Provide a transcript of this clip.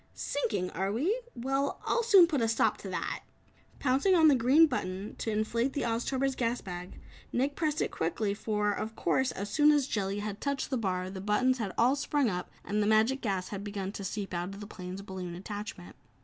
"Sinking, are we? Well, I'll soon put a stop to that!" Pouncing on the green button to inflate the Oztober's gas bag, Nick pressed it quickly, for of course, as soon as Jellia had touched the bar, the buttons all had sprung up and the magic gas had begun to seep out of the plane's balloon attachment.